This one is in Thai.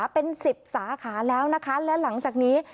เป็น๑๐สาขาแล้วนะคะและหลังจากนี้